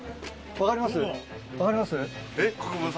分かります？